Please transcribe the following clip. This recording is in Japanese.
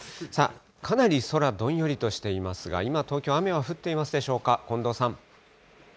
さあ、かなり空、どんよりとしていますが、今東京、雨は降っていますでしょうか？